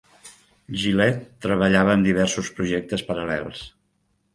Gillette treballava en diversos projectes paral·lels.